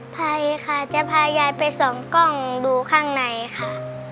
ไปค่ะจะพายายไปส่องกล้องดูข้างในค่ะ